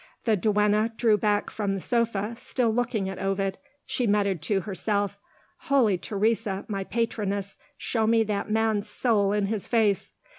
The duenna drew back from the sofa, still looking at Ovid: she muttered to herself, "Holy Teresa, my patroness, show me that man's soul in his face!"